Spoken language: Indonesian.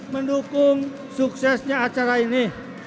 mendukung suksesnya acara ini